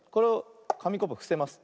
かみコップをふせます。